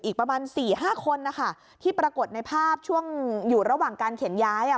อีกประมาณสี่ห้าคนนะคะที่ปรากฏในภาพช่วงอยู่ระหว่างการเข็นย้ายอ่ะ